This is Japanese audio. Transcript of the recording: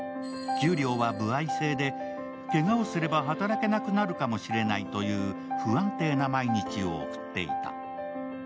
給料は歩合制でけがをすれば働けなくなるかもしれないという不安定な毎日を送っていた。